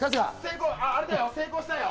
成功したよ！